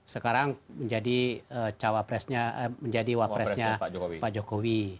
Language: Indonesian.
sekarang menjadi wapresnya pak jokowi